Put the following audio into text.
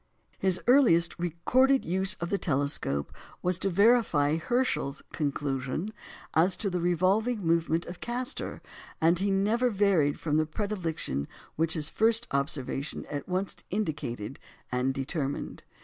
His earliest recorded use of the telescope was to verify Herschel's conclusion as to the revolving movement of Castor, and he never varied from the predilection which this first observation at once indicated and determined.